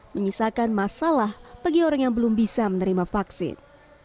menyisakan masalah bagi orang yang belum bisa menerima vaksin